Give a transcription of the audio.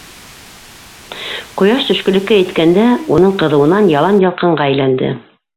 Ҡояш төшкөлөккә еткәндә, уның ҡыҙыуынан ялан ялҡынға әйләнде.